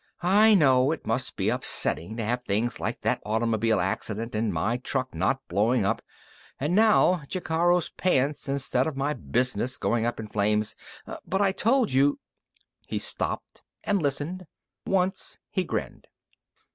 I know it must be upsetting to have things like that automobile accident and my truck not blowing up and now Jacaro's pants instead of my business going up in flames. But I told you " He stopped and listened. Once he grinned.